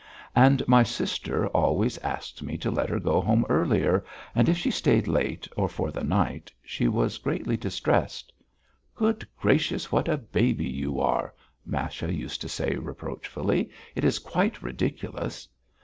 And my sister always asked me to let her go home earlier, and if she stayed late, or for the night, she was greatly distressed. "Good gracious, what a baby you are," Masha used to say reproachfully. "It is quite ridiculous."